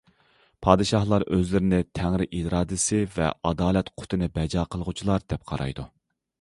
پادىشاھلار ئۆزلىرىنى تەڭرى ئىرادىسى، ئادالەت قۇتىنى بەجا قىلغۇچىلار دەپ قارايدۇ.